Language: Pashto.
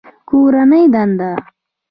کورنۍ دنده